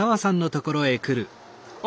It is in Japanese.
あ！